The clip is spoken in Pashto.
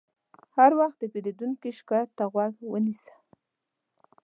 هر وخت د پیرودونکي شکایت ته غوږ ونیسه.